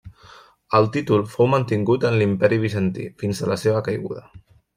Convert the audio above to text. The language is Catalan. El títol fou mantingut en l'imperi Bizantí fins a la seva caiguda.